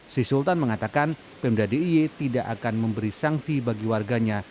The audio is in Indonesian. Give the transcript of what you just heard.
sri sultan mengatakan pemda d i e tidak akan memberi sanksi bagi warganya